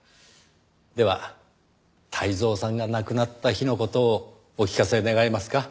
では泰造さんが亡くなった日の事をお聞かせ願えますか？